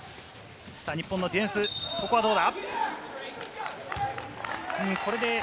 日本のディフェンス、ここはどうだ？